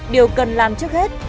điều cần làm trước hết